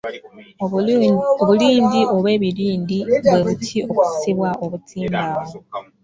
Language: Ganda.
Obulindi oba ebirindi bwe buti okusibwa obutimba.